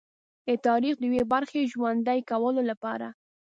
د تاریخ د یوې برخې ژوندي کولو لپاره.